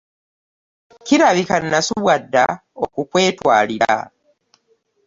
Kirabika nasubwa dda okukwetwalira.